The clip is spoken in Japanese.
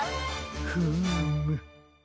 フーム。